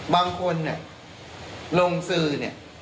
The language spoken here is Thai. บางคนเนี่ยลงสื่อเนี่ย